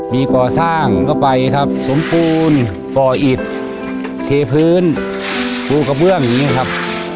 มีก่อสร้างก็ไปครับสมบูรณ์ก่ออิดเทพื้นปูกระเบื้องอย่างนี้ครับ